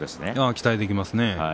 期待できますね。